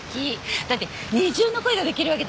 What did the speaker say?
だって二重の恋ができるわけだもんね。